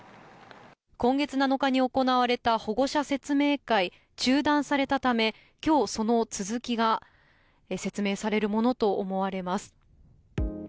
今月７日に行われた保護者説明会、中断されたため、きょう、その続きが説明されるものと思われます。